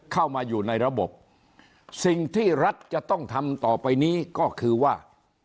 เข้ามาอยู่ในระบบสิ่งที่รัฐจะต้องทำต่อไปนี้ก็คือว่า